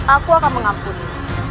aku akan mengampuni